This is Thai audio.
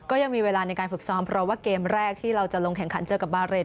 ก็ยังมีเวลาในการฝึกซ้อมเพราะว่าเกมแรกที่เราจะลงแข่งขันเจอกับบาเรน